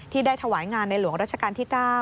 ได้ถวายงานในหลวงราชการที่๙